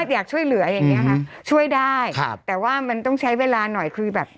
อยากช่วยเหลืออย่างเงี้ค่ะช่วยได้ครับแต่ว่ามันต้องใช้เวลาหน่อยคือแบบ